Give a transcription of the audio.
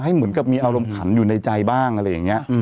เหมือนกับมีอารมณ์ขันอยู่ในใจบ้างอะไรอย่างนี้